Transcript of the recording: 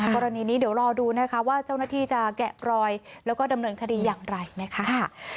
กรณีนี้เดี๋ยวรอดูนะคะว่าเจ้าหน้าที่จะแกะรอยแล้วก็ดำเนินคดีอย่างไรนะคะ